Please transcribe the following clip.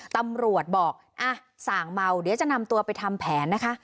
ตำรวจบอกอ่ะส่างเมาเดี๋ยวจะนำตัวไปทำแผนนะคะ